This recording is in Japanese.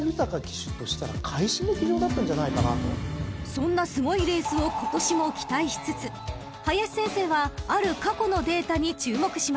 ［そんなすごいレースを今年も期待しつつ林先生はある過去のデータに注目しました］